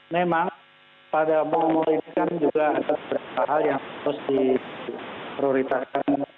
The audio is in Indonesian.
memang pada mall mal ini kan juga ada beberapa hal yang harus diprioritaskan